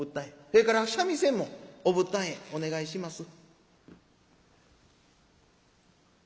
それから三味線もお仏壇へお願いします」。